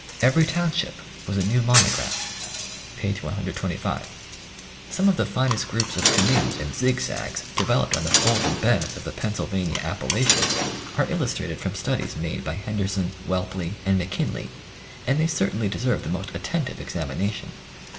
Every township was a new monograph." (p. 125.) Some of the finest groups of canoes and zigzags developed on the folded beds of the Pennsylvania Appa lachians are illustrated from studies made by Henderson, Whelp ley and McKinley, and they certainly deserve the most attentive examination.